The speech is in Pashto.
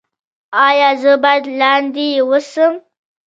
ایا زه باید لاندې اوسم؟